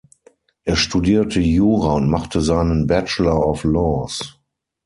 Er studierte Jura und machte seinen Bachelor of Laws.